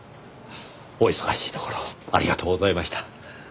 お忙しいところありがとうございました。